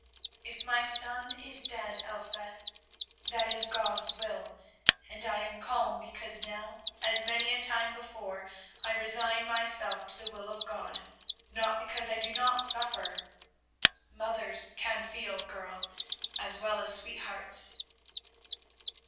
"If my son is dead, Elsa, that is God's Will, and I am calm, because now, as many a time before, I resign myself to the Will of God, not because I do not suffer. Mothers can feel, girl, as well as sweethearts."